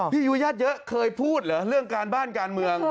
ยุญาติเยอะเคยพูดเหรอเรื่องการบ้านการเมือง